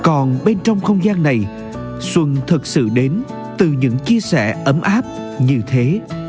còn bên trong không gian này xuân thật sự đến từ những chia sẻ ấm áp như thế